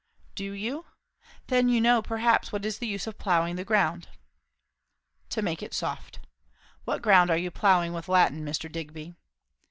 "Do you? Then you know perhaps what is the use of ploughing the ground?" "To make it soft. What ground are you ploughing with Latin, Mr. Digby?"